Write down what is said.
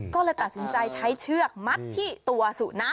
ก็เลยตัดสินใจใช้เชือกมัดที่ตัวสุนัข